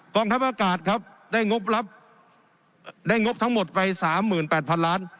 กองทัพอากาศครับได้งบรับได้งบทั้งหมดไปสามหมื่นแปดพันล้าน